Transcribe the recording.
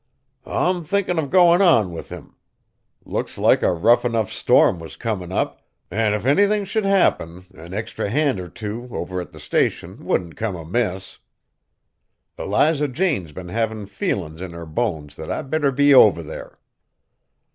"I'm thinkin' of goin' on with him. Looks like a rough enough storm was comin' up, an' if anythin' should happen an' extry hand or two, over at the Station, wouldn't come amiss. Eliza Jane's been havin' feelin's in her bones that I better be over there."